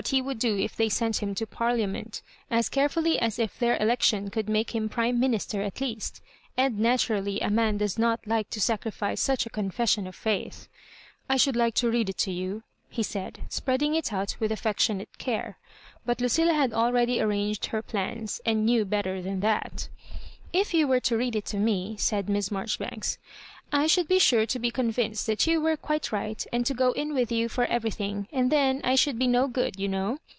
he would do if they sent him to Parliament, as carefuUy as if their election could make him Prime Minis ter at least; and n&tj:*lly a man does not like to sacrifice* such a cohlt^tsion of faith. " I should like to read it to you," he said, spreading it out with aflfectionate care ; but Lucilla had already arranged her plans^ and knew better than that " If you were to read it to me," said Miss Marjoribanks, " I should be sure to be convinced that you were quite right, and to go in with you for everything, and then I should be no good, you know.